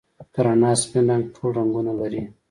د رڼا سپین رنګ ټول رنګونه لري.